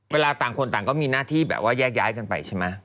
ต่างคนต่างก็มีหน้าที่แบบว่าแยกย้ายกันไปใช่ไหม